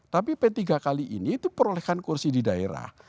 tapi p tiga kali ini itu perolehkan kursi di daerah